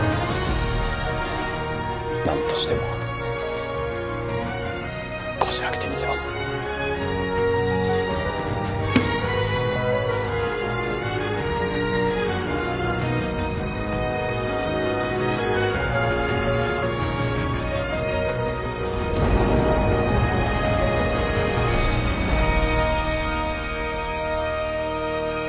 何としてもこじ開けてみせますはあ